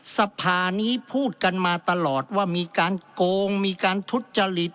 สภานี้พูดกันมาตลอดว่ามีการโกงมีการทุจริต